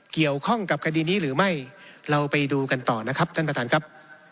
เกี่ยวข้องกับคดีนี้หรือไม่เราไปดูกันต่อนะครับท่านประธานครับ